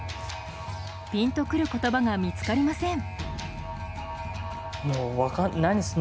ピンとくる言葉が見つかりません